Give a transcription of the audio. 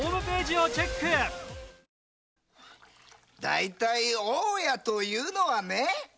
大家というのはね